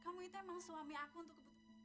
kamu itu emang suami aku untuk kebetulan